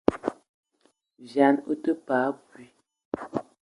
Vian ou te paa abui.